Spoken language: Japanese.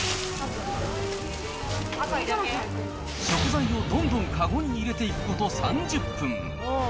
食材をどんどん籠に入れていくこと３０分。